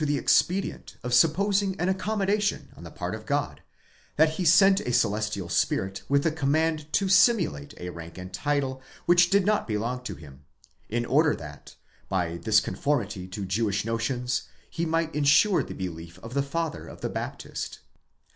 97 expedient of supposing an accommodation on the part of God: that he sent a celestial spirit with the command to simulate a rank and title which did not belong to him, in order that, by this conformity to Jewish notions, he might insure the belief of the father of the Baptist.